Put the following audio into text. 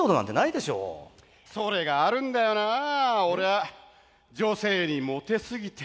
それがあるんだよな俺は。